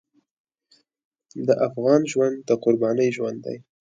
د افغان ژوند د قربانۍ ژوند دی.